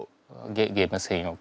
ゲーム専用機。